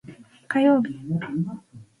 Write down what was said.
火曜日